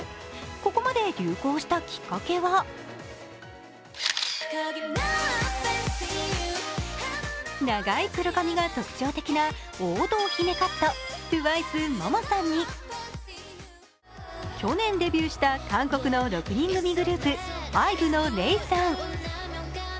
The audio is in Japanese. ここまで流行したきっかけは長い黒髪が特徴的な王道姫カット、ＴＷＩＣＥモモさんに、去年デビューした韓国の６人組グループＩＶＥのレイさん。